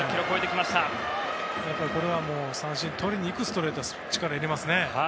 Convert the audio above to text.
これは三振をとりにいくストレートで力を入れていますね。